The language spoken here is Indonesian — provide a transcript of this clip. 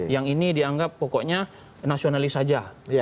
yang ini dianggap pokoknya nasionalis saja